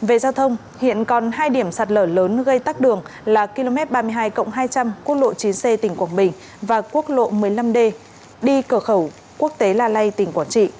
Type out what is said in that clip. về giao thông hiện còn hai điểm sạt lở lớn gây tắc đường là km ba mươi hai hai trăm linh quốc lộ chín c tỉnh quảng bình và quốc lộ một mươi năm d đi cửa khẩu quốc tế la lây tỉnh quảng trị